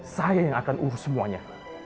saya yang akan urus semuanya